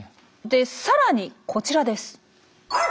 でさらにこちらです。